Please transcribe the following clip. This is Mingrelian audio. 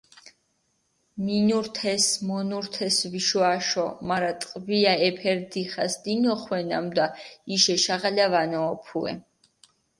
მინურთეს, მონურთეს ვიშო-აშო, მარა ტყვია ეფერი დიხას დინოხვე ნამუდა, იში ეშაღალა ვანოჸოფუე.